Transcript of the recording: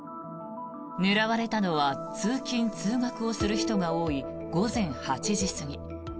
狙われたのは通勤・通学をする人が多い午前８時過ぎ。